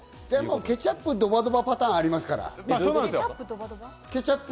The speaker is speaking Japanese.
ケチャップ、ドバドバパターンがありますから。